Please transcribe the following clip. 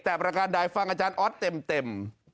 แต่ประการใดฟังอาจารย์ออสเต็ม